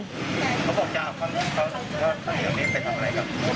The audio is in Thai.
เขาบอกจะเอาข้าวเหนียวนี้ไปทำอะไรก่อน